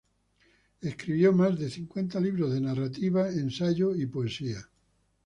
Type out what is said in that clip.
Escribió más de cincuenta libros de narrativa, ensayo y poesía.